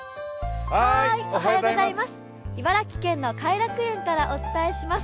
茨城県の偕楽園からお伝えします。